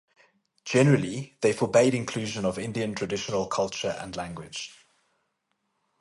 Generally, they forbade inclusion of Indian traditional culture and language.